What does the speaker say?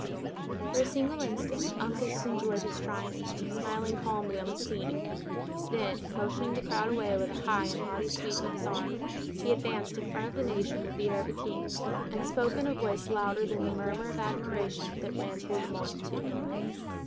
For a single instant Uncas enjoyed his triumph, smiling calmly on the scene. Then motioning the crowd away with a high and haughty sweep of his arm, he advanced in front of the nation with the air of a king, and spoke in a voice louder than the murmur of admiration that ran through the multitude.